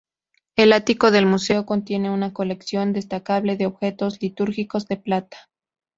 El ático del museo contiene una colección destacable de objetos litúrgicos de plata.